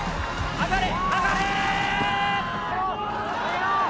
上がれ！